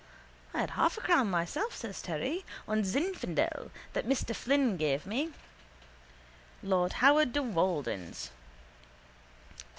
—I had half a crown myself, says Terry, on Zinfandel that Mr Flynn gave me. Lord Howard de Walden's.